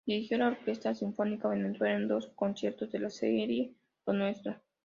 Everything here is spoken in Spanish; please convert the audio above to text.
Dirigió la Orquesta Sinfónica Venezuela en dos conciertos de la Serie Lo Nuestro.